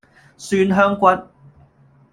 蒜香骨